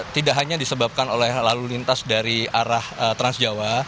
tidak hanya disebabkan oleh lalu lintas dari arah transjawa